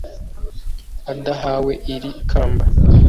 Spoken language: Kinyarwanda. Adahawe iri kamba